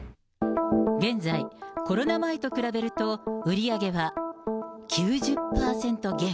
現在、コロナ前と比べると売り上げは９０％減。